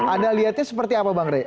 anda lihatnya seperti apa bang rey